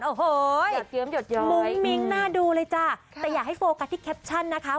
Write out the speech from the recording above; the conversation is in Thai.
โอ้โหมุ้งมิ้งน่าดูเลยจ้ะแต่อยากให้โฟกัสที่แคปชั่นนะคะ